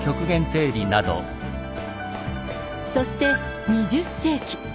そして２０世紀。